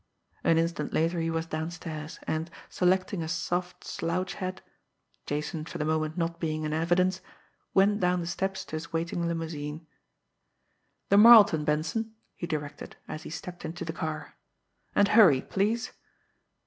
An instant later he was downstairs, and, selecting a soft slouch hat Jason for the moment not being in evidence went down the steps to his waiting limousine. "The Marleton, Benson," he directed, as he stepped into the car. "And hurry, please."